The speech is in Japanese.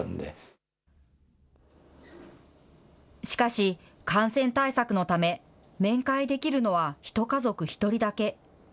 しかし、感染対策のため、面会できるのは１家族１人だけ。